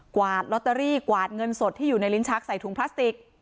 วาดลอตเตอรี่กวาดเงินสดที่อยู่ในลิ้นชักใส่ถุงพลาสติก